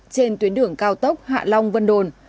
trên tuyến đường cao tốc hạ long vân đồn